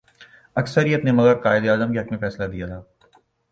اکثریت نے مگر قائد اعظم کے حق میں فیصلہ دیا تھا۔